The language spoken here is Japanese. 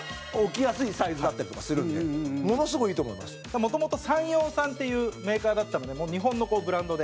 もともとサンヨーさんっていうメーカーだったので日本のブランドで。